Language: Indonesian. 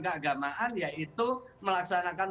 keagamaan yaitu melaksanakan